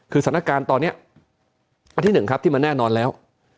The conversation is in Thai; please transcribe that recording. คือสถานการณ์ตอนนี้อันที่หนึ่งครับที่มันแน่นอนแล้ว